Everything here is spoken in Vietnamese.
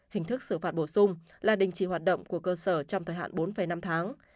hình thức xử phạt bổ sung là đình chỉ hoạt động của cơ sở trong thời hạn bốn năm tháng